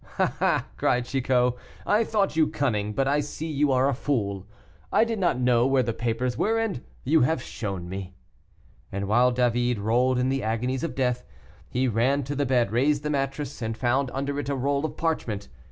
"Ah!" cried Chicot, "I thought you cunning, but I see you are a fool. I did not know where the papers were, and you have shown me " and while David rolled in the agonies of death, he ran to the bed, raised the mattress, and found under it a roll of parchment.